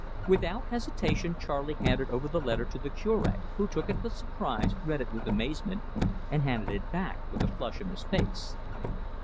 Without hesitation Charley handed over the letter to the Cure, who took it with surprise, read it with amazement, and handed it back with a flush on his face.